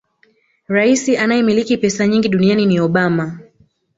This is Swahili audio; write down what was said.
Rais anayemiliki pesa nyingi duniani ni Obama